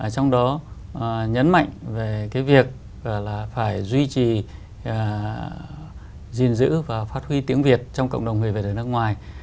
trong đó nhấn mạnh về cái việc là phải duy trì gìn giữ và phát huy tiếng việt trong cộng đồng người việt ở nước ngoài